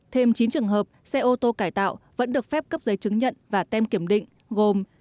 thêm chín trường hợp xe ô tô cải tạo vẫn được phép cấp giấy chứng nhận và tem kiểm định gồm